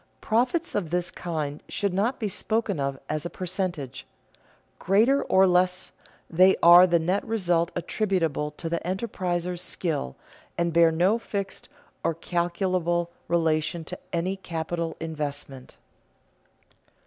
Profits of this kind should not be spoken of as a percentage. Greater or less, they are the net result attributable to the enterpriser's skill, and bear no fixed or calculable relation to any capital investment.